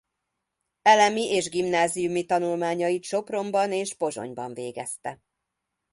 Elemi és gimnáziumi tanulmányait Sopronban és Pozsonyban végezte.